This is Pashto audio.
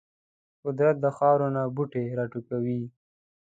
قدرت د خاورو نه بوټي راټوکوي.